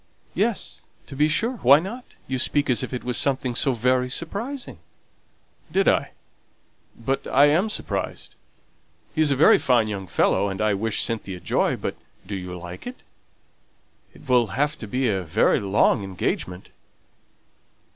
"Yes, to be sure. Why not? you speak as if it was something so very surprising." "Did I? But I am surprised. He's a very fine young fellow, and I wish Cynthia joy; but do you like it? It will have to be a very long engagement."